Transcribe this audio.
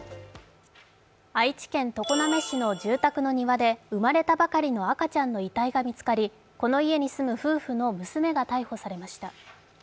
愛知県常滑市の住宅の庭で生まれたばかりの赤ちゃんの遺体が見つかり、この家に住む夫婦の娘が逮捕されました。